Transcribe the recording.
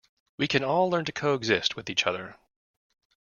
We can all learn to coexist with each other.